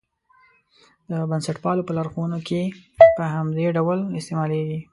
د بنسټپالو په لارښوونو کې په همدې ډول استعمالېږي.